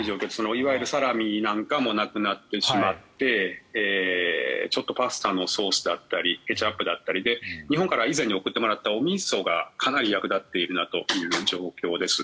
いわゆるサラミなんかもなくなってしまってちょっとパスタのソースだったりケチャップだったりで日本から以前に送ってもらったおみそがかなり役立っているなという状況です。